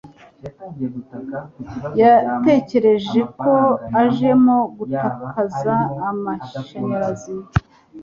Yatekereje ko arimo gutakaza amashanyarazi.